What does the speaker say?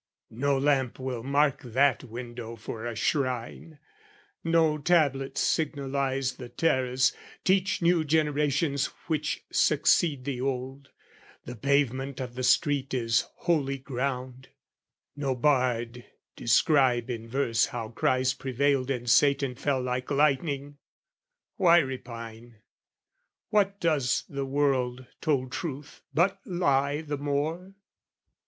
No lamp will mark that window for a shrine, No tablet signalise the terrace, teach New generations which succeed the old, The pavement of the street is holy ground; No bard describe in verse how Christ prevailed And Satan fell like lightning! Why repine? What does the world, told truth, but lie the more?